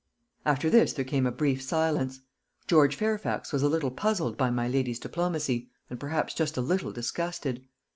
After this there came a brief silence. George Fairfax was a little puzzled by my lady's diplomacy, and perhaps just a little disgusted.